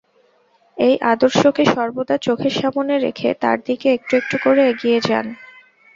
এই আদর্শকে সর্বদা চোখের সামনে রেখে তার দিকে একটু একটু করে এগিয়ে যান।